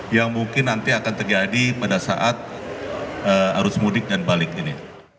yang mungkin nanti akan terjadi pada saat arus mudik dan balik ini